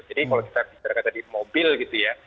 jadi kalau kita bicara bicara tadi mobil gitu ya